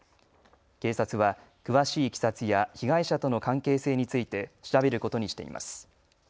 警察は詳しいいきさつや被害者との関係性について調べることにしています。